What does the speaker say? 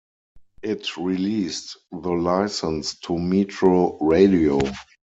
It released the license to Metro Radio.